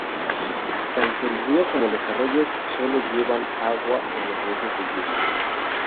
Tanto el río como los arroyos, sólo llevan agua en los meses de lluvia.